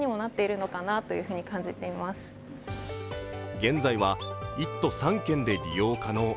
現在は１都３県で利用可能。